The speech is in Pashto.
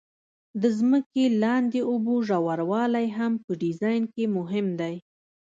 د ځمکې لاندې اوبو ژوروالی هم په ډیزاین کې مهم دی